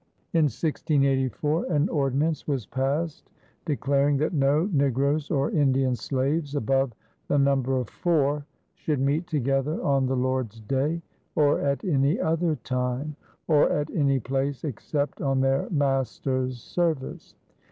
In 1684 an ordinance was passed declaring that no negroes or Indian slaves above the number of four should meet together on the Lord's Day or at any other time or at any place except on their master's service.